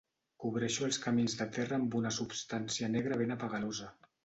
Cobreixo els camins de terra amb una substància negra ben apegalosa.